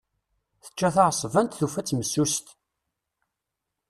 Tečča taεeṣbant, tufa-tt messuset.